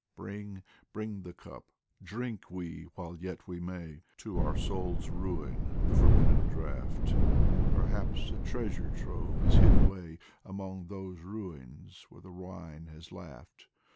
Bring, bring the cup ! drink we while yet we may To our soul's ruin the forbidden draught; Perhaps a treasure trove is hid away Among those ruins where the wine has laughed